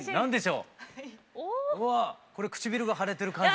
うわこれ唇が腫れてる感じ？